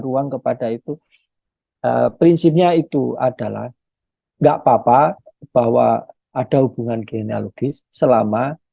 ruang kepada itu prinsipnya itu adalah enggak papa bahwa ada hubungan genealogis selama selama